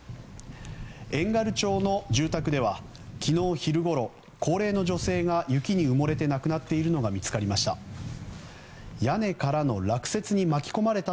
遠軽町の住宅では昨日昼ごろ高齢の女性が雪に埋もれて亡くなっているのが見つかりました。